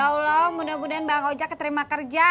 ya allah mudah mudahan bang oja keterima kerja